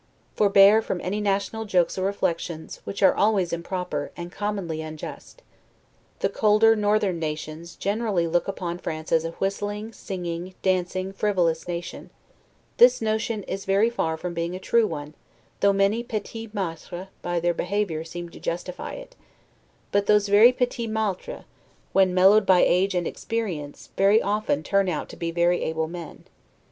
Forbear from any national jokes or reflections, which are always improper, and commonly unjust. The colder northern nations generally look upon France as a whistling, singing, dancing, frivolous nation; this notion is very far from being a true one, though many 'Petits maitres' by their behavior seem to justify it; but those very 'petits maltres', when mellowed by age and experience, very often turn out very able men.